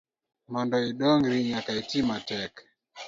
Mondo idongri nyaka itimatek.